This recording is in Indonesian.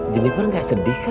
jenifer gak sedih kan